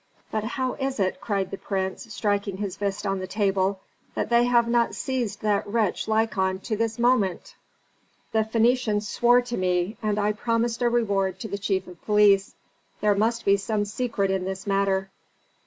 But how is it," cried the prince, striking his fist on the table, "that they have not seized that wretch Lykon to this moment? The Phœnicians swore to me, and I promised a reward to the chief of police. There must be some secret in this matter."